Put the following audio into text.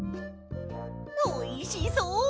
おいしそう！